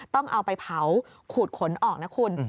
ต้องเอาไปเผาขูดขนออกนะคุณ